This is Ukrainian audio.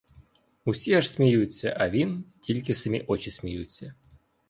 Усі аж сміються, а він — тільки самі очі сміються.